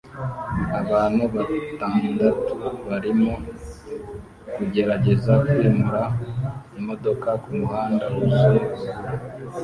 Abantu batandatu barimo kugerageza kwimura imodoka kumuhanda wuzuye urubura